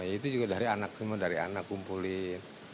itu juga dari anak semua dari anak kumpulin